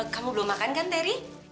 kamu belum makan kan teri